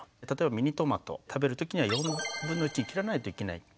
例えばミニトマト食べる時には４分の１に切らないといけない。